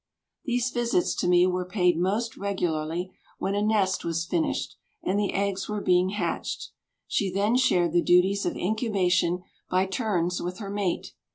These visits to me were paid most regularly when a nest was finished and the eggs were being hatched; she then shared the duties of incubation by turns with her mate.